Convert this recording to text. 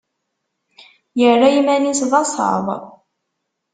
Yerra iman-is d asaḍ.